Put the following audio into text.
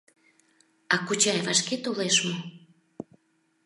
— А кочай вашке толеш мо?